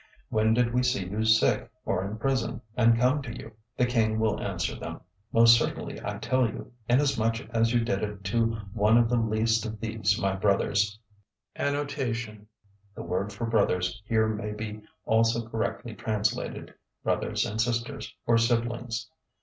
025:039 When did we see you sick, or in prison, and come to you?' 025:040 "The King will answer them, 'Most certainly I tell you, inasmuch as you did it to one of the least of these my brothers{The word for "brothers" here may be also correctly translated "brothers and sisters" or "siblings."